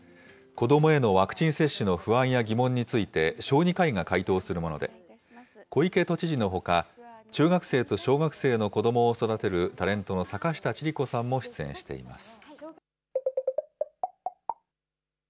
子どもへのワクチン接種の不安や疑問について、小児科医が回答するもので、小池都知事のほか、中学生と小学生の子どもを育てるタレントの坂下千里子さんも出演しています。